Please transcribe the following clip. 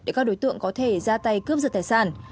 để các đối tượng có thể ra tay cướp giật tài sản